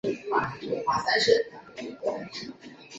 湖水主要靠冰雪融水径流补给。